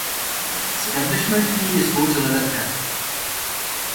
Establishment کی یہ سوچ غلط ہے۔